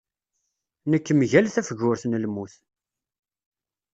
Nekk mgal tafgurt n lmut.